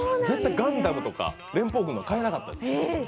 絶対ガンダムとか連邦軍の買えなかったです。